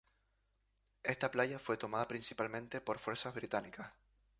Esta playa fue tomada principalmente por fuerzas británicas.